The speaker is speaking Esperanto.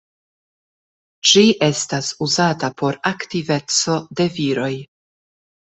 Ĝi estas uzata por aktiveco de viroj.